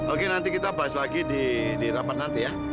oke nanti kita bahas lagi di rapat nanti ya